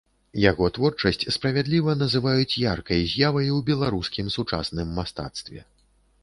Яго творчасць справядліва называюць яркай з'явай у беларускім сучасным мастацтве.